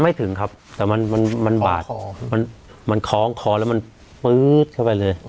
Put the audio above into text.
ไม่ถึงครับแต่มันของคอแล้วมันเข้าไปเลย